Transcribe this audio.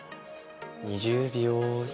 ２０秒１。